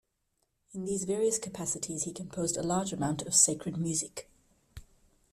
In these various capacities he composed a large amount of sacred music.